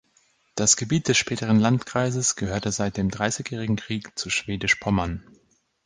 Das Gebiet des späteren Landkreises gehörte seit dem Dreißigjährigen Krieg zu Schwedisch-Pommern.